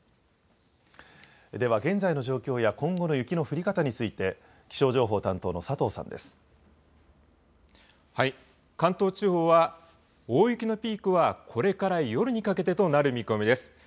では、現在の状況や今後の雪の降り方について、気象情報担当の佐関東地方は大雪のピークはこれから夜にかけてとなる見込みです。